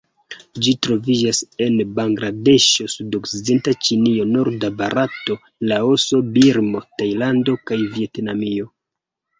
Ĝi troviĝas en Bangladeŝo, sudokcidenta Ĉinio, norda Barato, Laoso, Birmo, Tajlando kaj Vjetnamio.